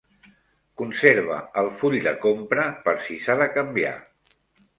Conserva el full de compra per si s'ha de canviar.